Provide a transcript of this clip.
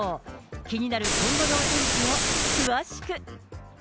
気になる今後のお天気を詳しく。